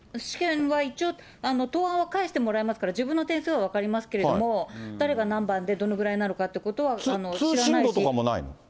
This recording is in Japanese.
試験は答案を返してもらいますから、自分の点数は分かりますけれども、誰が何番でどのぐらいなのかということは知らないし。